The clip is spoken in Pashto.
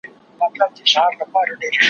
پرې اوښتي دي وختونه او قرنونه